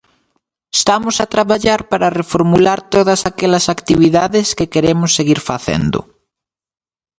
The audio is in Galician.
Estamos a traballar para reformular todas aquelas actividades que queremos seguir facendo.